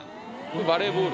バレーボール。